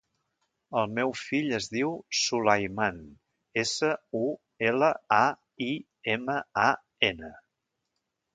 El meu fill es diu Sulaiman: essa, u, ela, a, i, ema, a, ena.